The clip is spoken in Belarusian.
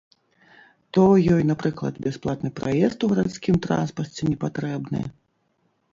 То ёй, напрыклад, бясплатны праезд у гарадскім транспарце не патрэбны.